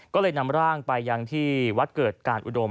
ก็เลยนำร่างไปยังที่วัดเกิดการอุดม